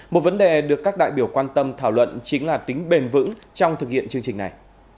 một vấn đề được các đại biểu quan tâm thảo luận chính là tính bền vững trong thực hiện chương trình này